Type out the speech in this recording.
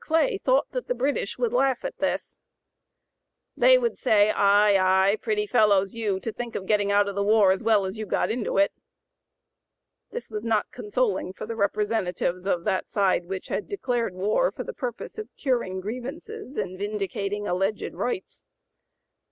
Clay thought that the British would laugh at this: "They would say, Ay, ay! pretty fellows you, to think of getting out of the war as well as you got into it." This was not consoling for the representatives of that side which had declared war for the purpose of curing grievances and vindicating alleged rights.